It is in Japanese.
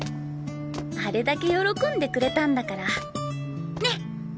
あれだけ喜んでくれたんだからね！